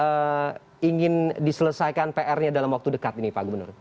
apa kemudian yang ingin diselesaikan pr nya dalam waktu dekat ini pak gubernur